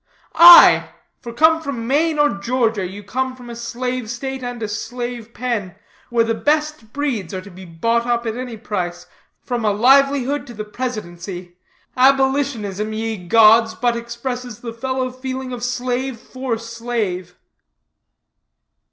"Aye, for come from Maine or Georgia, you come from a slave state, and a slave pen, where the best breeds are to be bought up at any price from a livelihood to the Presidency. Abolitionism, ye gods, but expresses the fellow feeling of slave for slave."